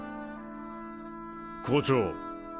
校長。